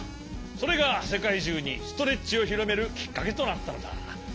それがせかいじゅうにストレッチをひろめるきっかけとなったのだ。